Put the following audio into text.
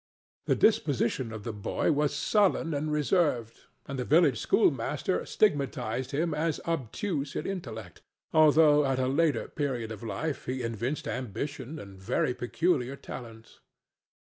The disposition of the boy was sullen and reserved, and the village schoolmaster stigmatized him as obtuse in intellect, although at a later period of life he evinced ambition and very peculiar talents.